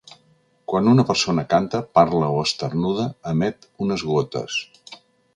Quan una persona canta, parla o esternuda, emet unes gotes.